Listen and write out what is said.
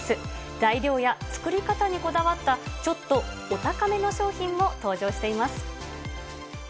材料や作り方にこだわった、ちょっとお高めの商品も登場しています。